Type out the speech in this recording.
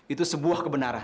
itu sebuah kebenaran